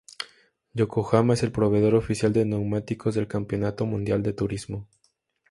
Yokohama es el proveedor oficial de neumáticos del Campeonato Mundial de Turismos.